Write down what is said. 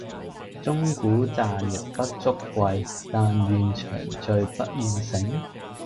鐘鼓饌玉不足貴，但愿長醉不愿醒！